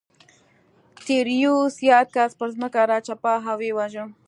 تبریوس یاد کس پر ځمکه راچپه او ویې واژه